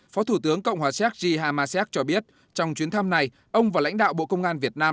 phó thủ tướng cộng hòa xác di ma ha xác cho biết trong chuyến thăm này ông và lãnh đạo bộ công an việt nam